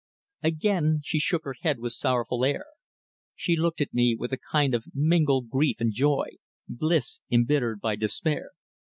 Again she shook her head with sorrowful air. She looked at me with a kind of mingled grief and joy, bliss embittered by despair.